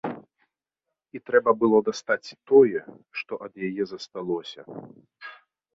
І трэба было дастаць тое, што ад яе засталося.